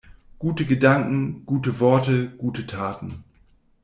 Gute Gedanken, gute Worte, gute Taten.